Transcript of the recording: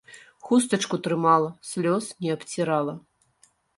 Хустачку трымала, слёз не абцірала.